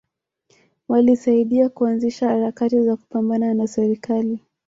Walisaidia kuanzisha harakati za kupambana na serikali